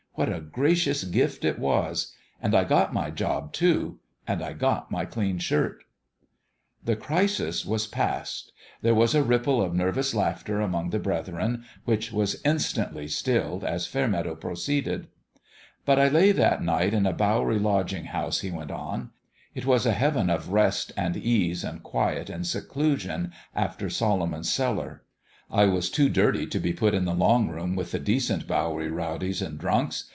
What a gracious gift it was ! And I got my job, too and I got my clean shirt." The crisis was past : there was a ripple of nervous laughter among the brethren, which was instantly stilled as Fairmeadow proceeded. " But I lay that night in a Bowery lodging 346 IN HIS OWN BEHALF house," he went on. "It was a heaven of rest and ease and quiet and seclusion after Solomon's Cellar. I was too dirty to be put in the long room with the decent Bowery rowdies and drunks.